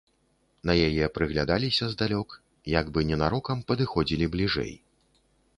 На яе прыглядаліся здалёк, як бы ненарокам падыходзілі бліжэй.